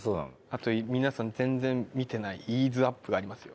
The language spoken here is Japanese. あと皆さん全然見てないＥＡＳＥＵＰがありますよ。